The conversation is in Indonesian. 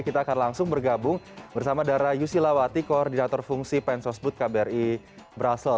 kita akan langsung bergabung bersama dara yusila wati koordinator fungsi pensosbud kbri brussels